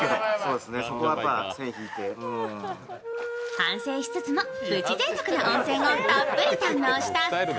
反省しつつもプチぜいたくな温泉をたっぷり堪能した２人。